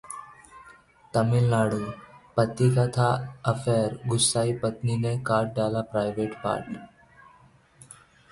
तमिलनाडुः पति का था अफेयर, गुस्साई पत्नी ने काट डाला प्राइवेट पार्ट